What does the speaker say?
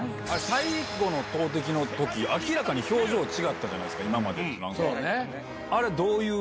最後の投てきのとき、明らかに表情が違ったじゃないですか、今までとなんか。